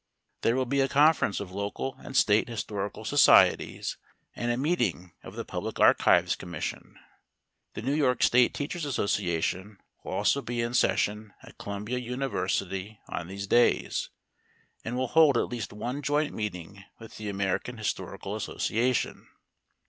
There will be a Conference of Local and State Historical Societies and a meeting of the Public Archives Commission. The New York State Teachers' Association will also be in session at Columbia University on these days, and will hold at least one joint meeting with the American Historical Association.